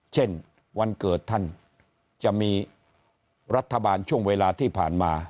เช่นวันเกิดท่านจะมีรัฐบาลช่วงเวลาที่ผ่านมา